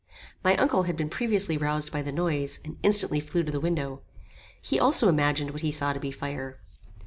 My uncle had been previously roused by the noise, and instantly flew to the window. He also imagined what he saw to be fire.